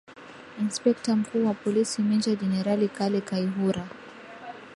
inspekta mkuu wa polisi menja generali kale kaihura